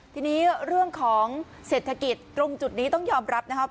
ทีนี้เรื่องของเศรษฐกิจตรงจุดนี้ต้องยอมรับนะครับ